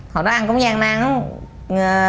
hồi đó ăn cũng gian nang